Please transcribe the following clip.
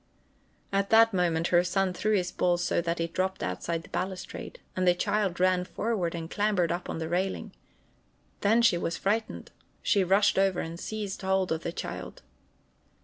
At that moment her son threw his ball so that it dropped outside the balustrade, and the child ran forward and clambered up on the railing. Then she was frightened. She rushed over and seized hold of the child.